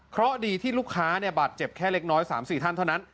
เพราะดีที่ลูกค้าบาดเจ็บแค่เล็กน้อย๓๔ท่านเท่านั้น